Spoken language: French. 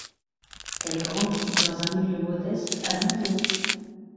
Elle grandit dans un milieu modeste à Millau.